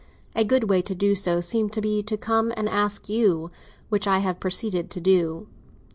A good way to do so seemed to be to come and ask you; which I have proceeded to do."